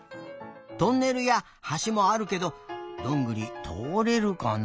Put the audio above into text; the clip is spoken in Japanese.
トンネルやはしもあるけどどんぐりとおれるかな？